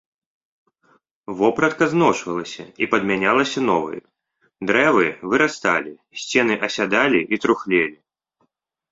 Вопратка зношвалася і падмянялася новаю, дрэвы вырасталі, сцены асядалі і трухлелі.